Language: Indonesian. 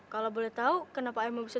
kalau boleh tahu kenapa emak bisa